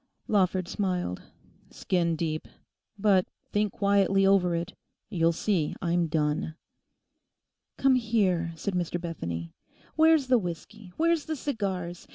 Lawford smiled. 'Skin deep. But think quietly over it; you'll see I'm done.' 'Come here,' said Mr Bethany. 'Where's the whiskey, where's the cigars?